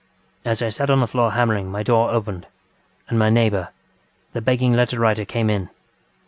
As I sat on the floor hammering, my door opened, and my neighbour, the begging letter writer came in.